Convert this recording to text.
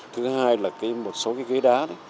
thứ hai là một số cái ghế đá